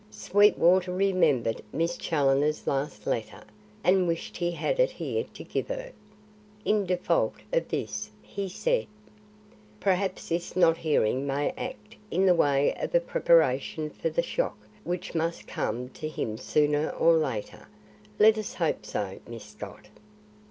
Sweetwater remembered Miss Challoner's last letter, and wished he had it here to give her. In default of this, he said: "Perhaps this not hearing may act in the way of a preparation for the shock which must come to him sooner or later. Let us hope so, Miss Scott."